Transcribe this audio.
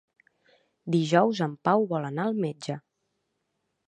Dijous en Pau vol anar al metge.